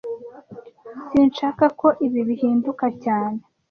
Sinshaka ko ibi bihinduka cyane